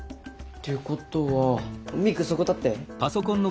ってことはミクそこ立って。